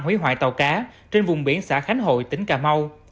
hủy hoại tàu cá trên vùng biển xã khánh hội tỉnh cà mau